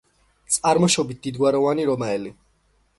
წარმოშობით დიდგვარიანი რომაელი.